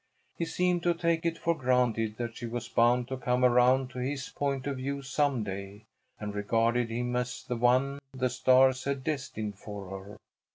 He seemed to take it for granted that she was bound to come around to this point of view some day, and regard him as the one the stars had destined for her.